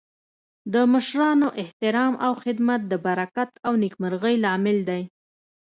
د مشرانو احترام او خدمت د برکت او نیکمرغۍ لامل دی.